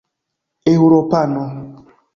eŭropano